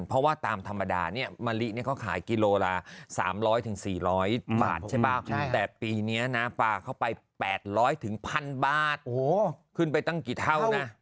เพราะว่าตามธรรมดานี้มะลิเขาขายกิโลลา๓๐๐๔๐๐บาทแต่ปีนี้ฝากเข้าไป๘๐๐๑๐๐๐บาทขึ้นไปตั้งกี่เท่านะ